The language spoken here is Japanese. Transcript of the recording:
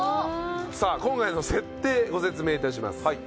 さあ今回の設定ご説明いたします。